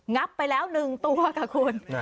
งับไปแล้วหนึ่งตัวกับคุณ